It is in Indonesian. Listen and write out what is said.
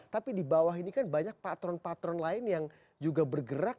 tapi di bawah ini kan banyak patron patron lain yang juga bergerak